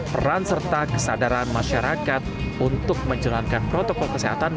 peran serta kesadaran masyarakat untuk menjalankan protokol kesehatan